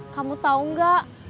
kamu tau gak